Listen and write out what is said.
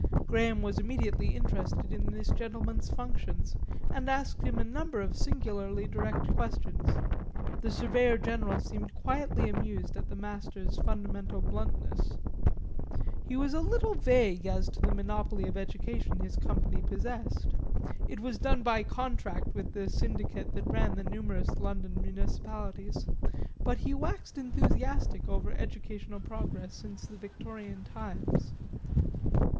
Graham was immediately interested in this gentleman's functions, and asked him a number of singularly direct questions. The Surveyor General seemed quietly amused at the Master's fundamental bluntness. He was a little vague as to the monopoly of education his Company possessed; it was done by contract with the syndicate that ran the numerous London Municipalities, but he waxed enthusiastic over educational progress since the Victorian times.